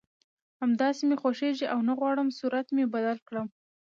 همداسې مې خوښېږي او نه غواړم صورت مې بدل کړم